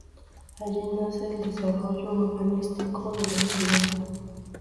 Allí nace el desarrollo urbanístico de la ciudad.